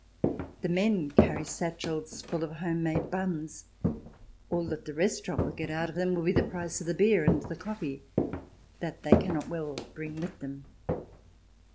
The men carry satchels full of home made buns ; all that the restaurant will get out of them will be the price of the beer and the coffee, that they cannot well bring with them.